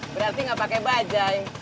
berarti gak pakai bajaj